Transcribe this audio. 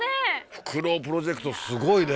フクロウプロジェクトすごいね。